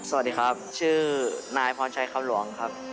สวัสดีครับชื่อนายพรชัยคำหลวงครับ